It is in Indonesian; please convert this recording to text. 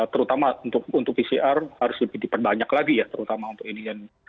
terutama untuk pcr harus lebih diperbanyak lagi ya terutama untuk ini